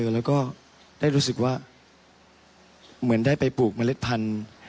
แล้วก็ได้รู้สึกว่าเหมือนได้ไปปลูกเมล็ดพันธุ์